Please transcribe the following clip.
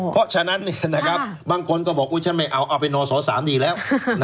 เพราะฉะนั้นบางคนก็บอกอุ๊ยฉันไม่เอาเอาไปนส๓ดีแล้ว